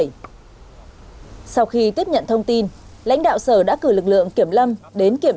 lý rừng tại tiểu khu bốn mươi bảy sau khi tiếp nhận thông tin lãnh đạo sở đã cử lực lượng kiểm lâm đến kiểm